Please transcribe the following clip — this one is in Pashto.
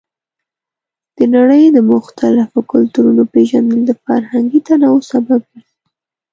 د نړۍ د مختلفو کلتورونو پیژندل د فرهنګي تنوع سبب ګرځي.